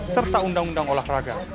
serta undang undang olahraga